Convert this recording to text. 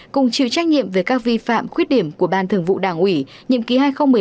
cùng chịu trách nhiệm về các vi phạm khuyết điểm của ban thường vụ đảng ủy nhiệm ký hai nghìn một mươi năm hai nghìn hai mươi